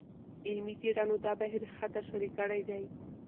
علمي څېړنو دا بهیر ښه تشریح کړی دی.